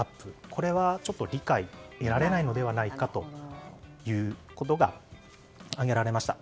これは理解が得られないのではないかということが挙げられました。